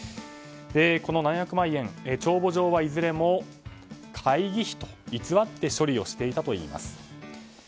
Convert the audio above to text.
この７００万円帳簿上はいずれも会議費と偽って処理をしていたといいます。